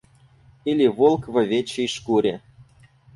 Или волк в овечьей шкуре.